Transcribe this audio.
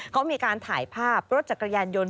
เขามีการถ่ายภาพรถจักรยานยนต์